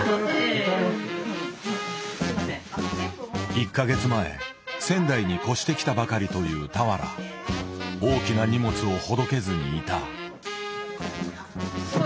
１か月前仙台に越してきたばかりという俵大きな荷物をほどけずにいた。